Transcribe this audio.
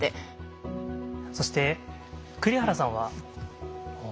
そして栗原さんは？